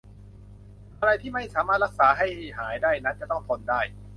อะไรที่ไม่สามารถรักษาให้หายได้นั้นจะต้องทนได้